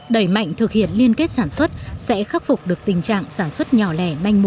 đẩy mạnh thực hiện liên kết sản xuất sẽ khắc phục được tình trạng sản xuất nhỏ lẻ manh mú